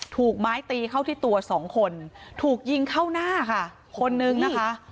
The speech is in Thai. ถูกไม้ตีเข้าที่ตัวสองคนถูกยิงเข้าหน้าค่ะคนนึงนะคะ